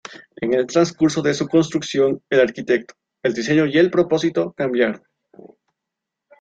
En el transcurso de su construcción, el arquitecto, el diseño y el propósito cambiaron.